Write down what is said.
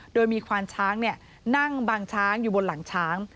โดยมีควานช้างนั่งบางช้างอยู่บนหลังช้าง